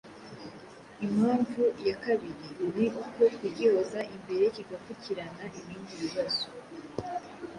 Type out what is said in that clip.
Impamvu ya kabiri ni uko kugihoza imbere kigapfukirana ibindi bibazo,